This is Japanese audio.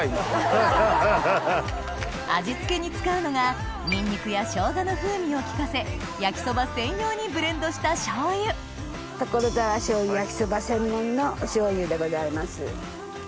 味付けに使うのがにんにくや生姜の風味を利かせ焼きそば専用にブレンドした醤油ところざわ醤油焼きそば専門のお醤油でございます。